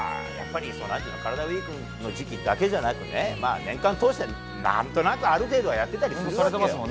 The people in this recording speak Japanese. カラダＷＥＥＫの時期だけじゃなく年間通して何となくある程度はやってたりする。